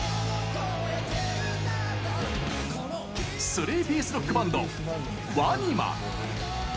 スリーピースロックバンドＷＡＮＩＭＡ。